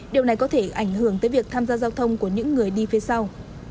điều này có thể ảnh hưởng tới việc tham gia giao thông của những người đi phía sau